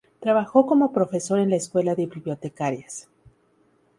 Trabajó como profesor en la Escuela de Bibliotecarias.